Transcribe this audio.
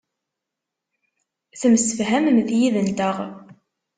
Temsefhamemt yid-nteɣ.